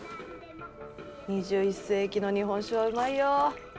２１世紀の日本酒はうまいよ。